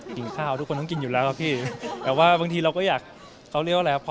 ข้าวทุกคนต้องกินอยู่แล้วครับพี่แต่ว่าบางทีเราก็อยากเขาเรียกว่าอะไรครับ